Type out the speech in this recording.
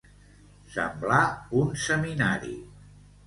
Semblar un seminari.